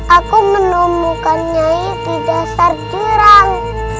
aku menemukan nyai di dasar jurang